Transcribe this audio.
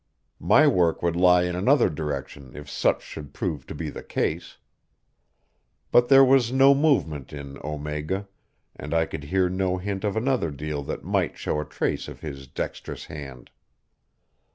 My work would lie in another direction if such should prove to be the case. But there was no movement in Omega, and I could hear no hint of another deal that might show a trace of his dexterous hand.